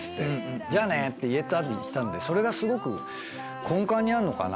じゃあね」って言えたりしたんでそれがすごく根幹にあんのかな。